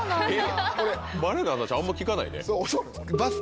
バレーの話あんま聞かないね。